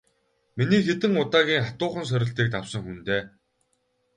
Миний хэдэн удаагийн хатуухан сорилтыг давсан хүн дээ.